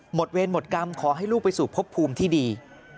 เวรหมดกรรมขอให้ลูกไปสู่พบภูมิที่ดี